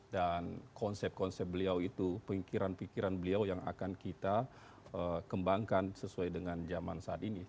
dan konsep konsep beliau itu pengikiran pikiran beliau yang akan kita kembangkan sesuai dengan zaman saat ini